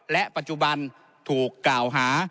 และปัจจุบันถูกกล่าวหา